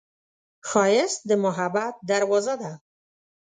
ښایست د محبت دروازه ده